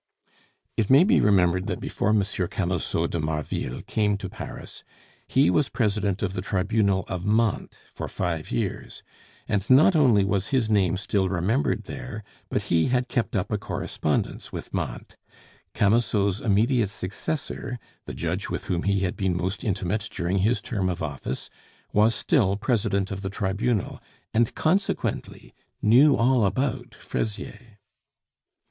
It may be remembered that before M. Camusot de Marville came to Paris, he was President of the Tribunal of Mantes for five years; and not only was his name still remembered there, but he had kept up a correspondence with Mantes. Camusot's immediate successor, the judge with whom he had been most intimate during his term of office, was still President of the Tribunal, and consequently knew all about Fraisier.